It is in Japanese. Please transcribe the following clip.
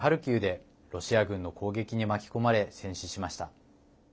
ハルキウでロシア軍の攻撃に巻き込まれ戦死しました。